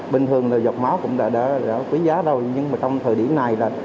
bình thường là giọt máu cũng đã quý giá rồi nhưng mà trong thời điểm này là